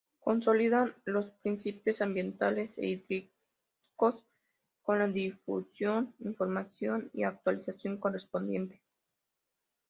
Consolidar los principios Ambientales e Hídricos, con la difusión, información y actualización correspondiente.